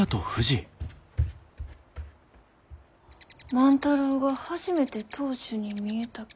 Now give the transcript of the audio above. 万太郎が初めて当主に見えたき。